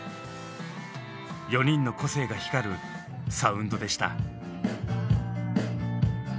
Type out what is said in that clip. ４人の個性が光るサウンドでした。